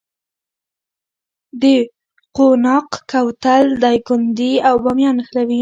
د قوناق کوتل دایکنډي او بامیان نښلوي